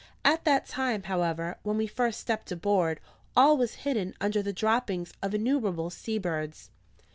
At that time, however, when we first stepped aboard, all was hidden under the droppings of innumerable sea birds.